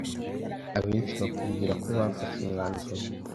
abenshi bakubwira ko bafashe umwanzuro